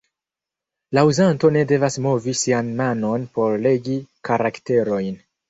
La uzanto ne devas movi sian manon por legi karakterojn.